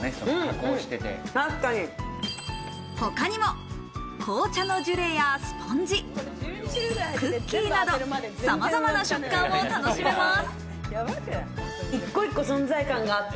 他にも紅茶のジュレやスポンジ、クッキーなど、さまざまな食感を楽しめます。